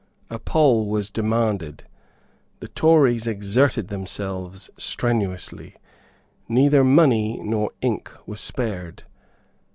A poll was demanded. The Tories exerted themselves strenuously. Neither money nor ink was spared.